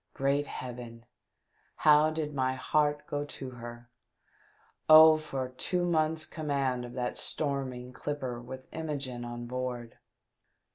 Great heaven ! how did my heart go to her ! Oh, for two months' com mand of that storming clipper with Imogene on board